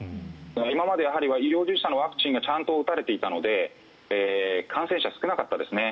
今まで医療従事者のワクチンがちゃんと打たれていたので感染者は少なかったですね。